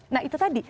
nah itu tadi